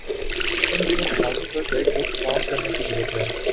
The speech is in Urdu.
ان دونوں محاذوں پر بیک وقت کام کرنے کی ضرورت ہے۔